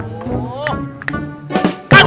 aduh aduh aduh